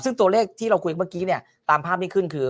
ซึ่งตัวเลขที่เราคุยเมื่อกี้เนี่ยตามภาพที่ขึ้นคือ